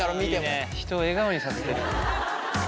いいね人を笑顔にさせてる。